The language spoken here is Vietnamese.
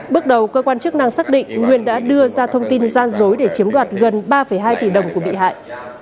bước đầu cơ quan chức năng xác định nguyên đã đưa ra thông tin gian dối để chiếm đoạt gần ba hai tỷ đồng của bị hại